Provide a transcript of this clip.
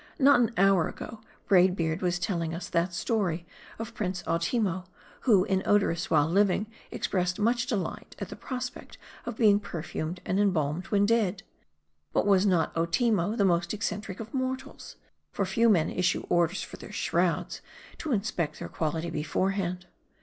Not an hour ago, Braid Beard was telling us that story of prince Ottimo, who inodorous while living, expressed much delight at the prospect of being perfumed and em* burned, when dead. But was not Ottimo the most eccen tric of mortals ? For few men issue orders for their shrouds, to inspect their quality beforehand.